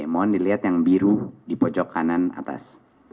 mohon dilihat yang biru di pojok kanan atas